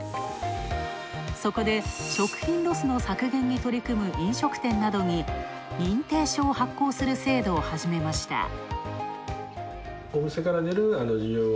そこで食品ロスの削減に取り組む飲食店などに認定証を発行する制度を始めました。